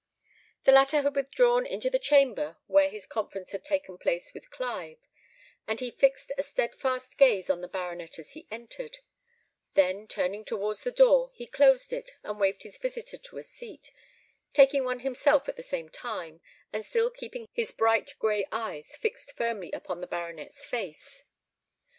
The latter had withdrawn into the chamber where his conference had taken place with Clive, and he fixed a steadfast gaze on the baronet as he entered; then turning towards the door, he closed it and waved his visitor to a seat, taking one himself at the same time, and still keeping his bright gray eyes fixed firmly upon the baronet's face.